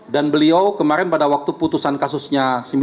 dan beliau kemarin pada waktu putusan kasusnya